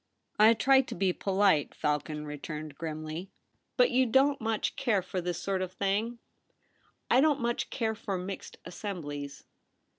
' I try to be polite,' Falcon returned grimly, ' But you don't much care for this sort of thing ?'' I don't much care for mixed assemblies.'